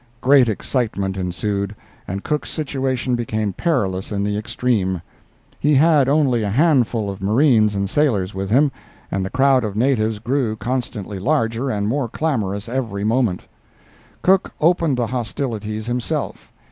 Great excitement ensued, and Cook's situation became perilous in the extreme. He had only a handful of marines and sailors with him, and the crowd of natives grew constantly larger and more clamorous every moment. Cook opened the hostilities himself.